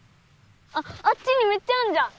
あっあっちにめっちゃあんじゃん！